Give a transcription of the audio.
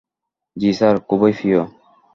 জ্বি স্যার, খুবই প্রিয়।